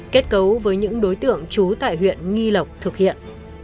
kết cấu với những đối tượng trú tại huyện nghi lộc thực hiện